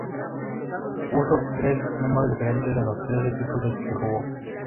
Usó tres números diferentes en los tres equipos que jugó.